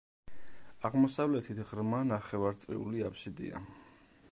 აღმოსავლეთით ღრმა ნახევარწრიული აფსიდია.